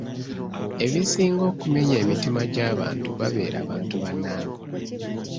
Ebisinga okumenya emitima gy’abantu babeera bantu bannaabwe.